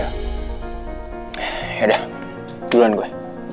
yaudah duluan gue